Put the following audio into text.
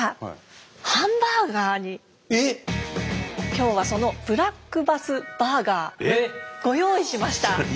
今日はそのブラックバスバーガーご用意しました。